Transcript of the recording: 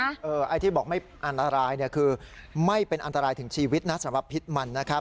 ไอ้ที่บอกไม่อันตรายเนี่ยคือไม่เป็นอันตรายถึงชีวิตนะสำหรับพิษมันนะครับ